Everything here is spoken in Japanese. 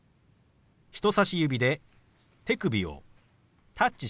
人さし指で手首をタッチします。